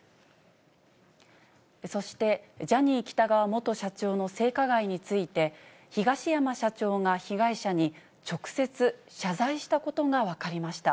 そして、ジャニー喜多川元社長の性加害について、東山社長が被害者に、直接謝罪したことが分かりました。